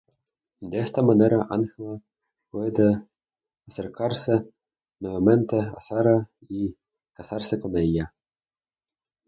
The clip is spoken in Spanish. De esta manera Angela puede acercarse nuevamente a Sara y casarse con ella.